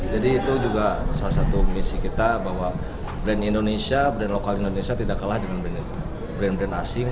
jadi itu juga salah satu misi kita bahwa brand indonesia brand lokal indonesia tidak kalah dengan brand brand asing